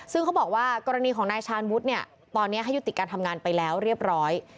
ซึ่งเขาบอกว่ากรณีของนายชาญวุฒิเนี่ยตอนนี้ให้ยุติการทำงานไปแล้วเรียบร้อย